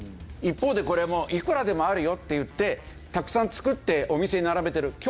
一方でこれもういくらでもあるよって言ってたくさん作ってお店に並べてる。